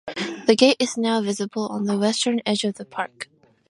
The gate is now visible on the western edge of the park.